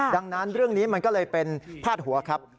ดังนั้นเรื่องนี้มันก็เลยเป็นพาดหัวครับ